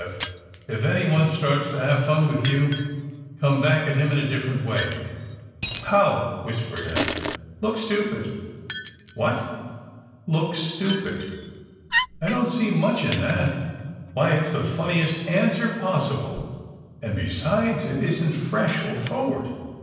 If anyone starts to have any fun with you, come back at him a different way." "How?" whispered Eph. "Look stupid." "What?" "Look stupid." "I don't see much in that." "Why, it's the funniest answer possible; and, besides, it isn't fresh or forward."